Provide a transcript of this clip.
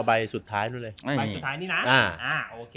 บันตรีสุดท้ายนี่นะ